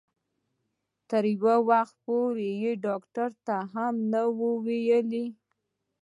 تر یو وخته پورې یې ډاکټر ته هم نه وو ویلي.